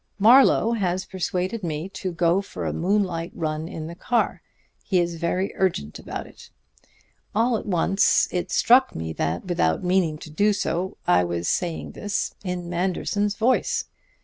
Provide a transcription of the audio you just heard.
'Marlowe has persuaded me to go for a moonlight run in the car. He is very urgent about it.' All at once it struck me that, without meaning to do so, I was saying this in Manderson's voice.